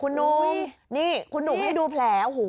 นี่คุณหนุ่มให้ดูแผล